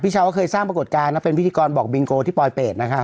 เช้าก็เคยสร้างปรากฏการณ์นะเป็นพิธีกรบอกบิงโกที่ปลอยเป็ดนะคะ